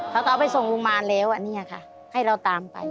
เขาก็เอาไปส่งวงมารแล้วนี่ค่ะให้เราตามไป